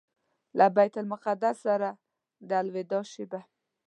له بیت المقدس سره د الوداع شېبه.